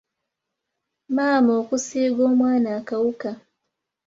Maama okusiiga omwana akawuka.